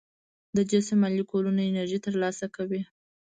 د جسم مالیکولونه انرژي تر لاسه کوي.